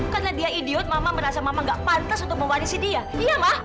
karena dia idiot mama merasa mama nggak pantas untuk mewarisi dia iya ma